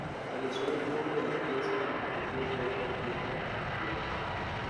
Realizó dibujos de las piezas, y permitió que otros artistas las estudiaran.